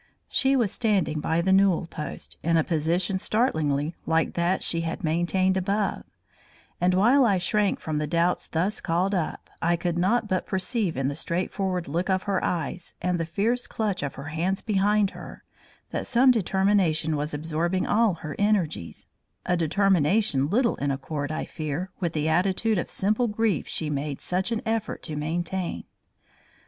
She was standing by the newel post, in a position startlingly like that she had maintained above; and while I shrank from the doubts thus called up, I could not but perceive in the straightforward look of her eyes, and the fierce clutch of her hands behind her, that some determination was absorbing all her energies; a determination little in accord, I fear, with the attitude of simple grief she made such an effort to maintain.